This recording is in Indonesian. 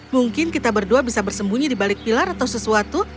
mungkin kita berdua bisa bersembunyi di balik pilar atau sesuatu